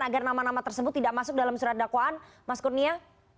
agar nama nama tersebut tidak masuk dalam surat dakwaan mas kurnia